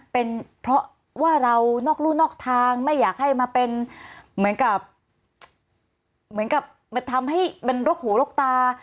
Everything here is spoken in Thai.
เป็นเพราะว่าเรานอกรู่นอกทางไม่อยากให้มาเป็นเหมือนกับเหมือนกับมันทำให้มันรกหูรกตา